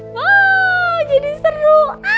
wah jadi seru